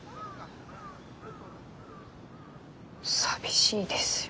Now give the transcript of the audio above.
寂しいですよ